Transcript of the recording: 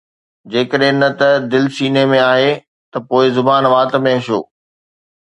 جيڪڏهن نه ته دل سينه ۾ آهي ته پوءِ زبان وات ۾ ڇو؟